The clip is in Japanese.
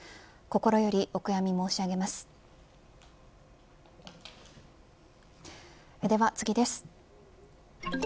心よりお悔み申し上げますでは次です。